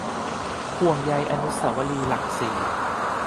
ห่วงใยอนุสาวรีย์หลักสี่